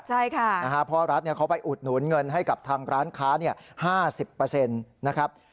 ใช่ค่ะนะฮะเพราะรัฐเนี่ยเขาไปอุดหนุนเงินให้กับทางร้านค้าเนี่ย๕๐เปอร์เซ็นต์นะครับ